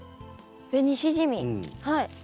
ベニシジミはい。